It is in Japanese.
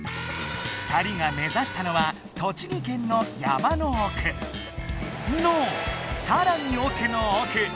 ２人が目ざしたのは栃木県の山の奥のさらに奥の奥。